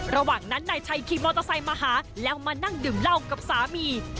ระหว่างนั้นนายชัยขี่มอเตอร์ไซค์มาหาแล้วมานั่งดื่มเหล้ากับสามี